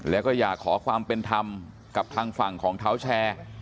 แล้วก็อยากขอความเป็นธรรมกับทางฝั่งของเท้าแชร์